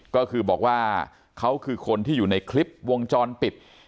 ก็คือบอกว่าเขาคือคนที่อยู่ในคลิปวงจรปิด